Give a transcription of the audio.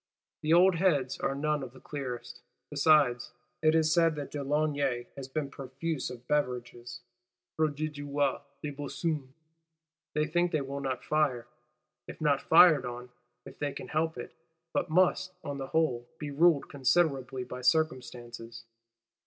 The old heads are none of the clearest; besides, it is said, de Launay has been profuse of beverages (prodigua des buissons). They think, they will not fire,—if not fired on, if they can help it; but must, on the whole, be ruled considerably by circumstances.